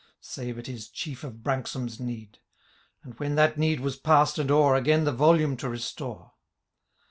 Save at his chief of Branksome^s need : And when that need was past and o^er. Again the Tolume to restore.